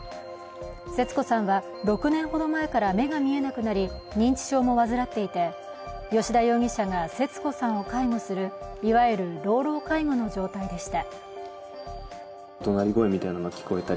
節子さんは６年ほど前から目が見えなくなり、認知症も患っていて、吉田容疑者が節子さんを介護するいわゆる老老介護の状態でした。